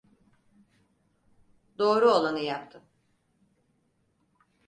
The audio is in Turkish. Doğru olanı yaptın.